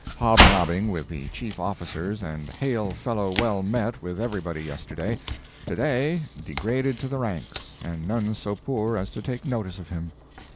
Hobnobbing with the chief officers, and hail fellow well met with everybody yesterday—to day, degraded to the ranks, and none so poor as to take notice of him.